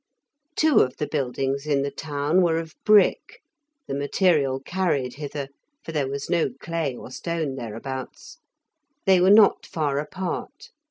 Two of the buildings in he town were of brick (the material carried hither, for there was no clay or stone thereabouts); they were not far apart.